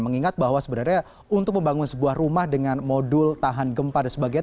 mengingat bahwa sebenarnya untuk membangun sebuah rumah dengan modul tahan gempa dan sebagainya